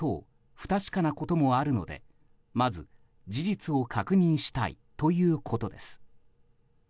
不確かなこともあるのでまず事実を確認したいということです。